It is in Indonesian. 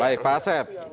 nah baik pak asep